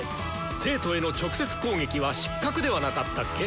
生徒への直接攻撃は失格ではなかったっけ？